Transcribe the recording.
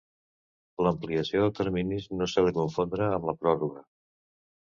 L'ampliació de terminis no s'ha de confondre amb la pròrroga.